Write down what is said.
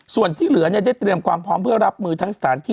ส่วนที่เหลือได้เตรียมความพร้อมเพื่อรับมือทั้งสถานที่